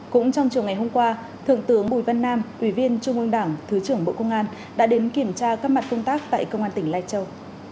cũng trong chiều ngày hôm qua thượng tướng bùi văn nam ủy viên trung ương đảng thứ trưởng bộ công an đã đến kiểm tra các mặt công tác tại công an tỉnh lai châu